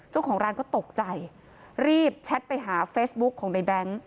เจ้าของร้านก็ตกใจรีบแชทไปหาเฟซบุ๊คของในแบงค์